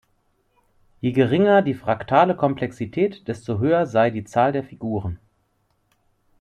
Je geringer die fraktale Komplexität, desto höher sei die Zahl der Figuren.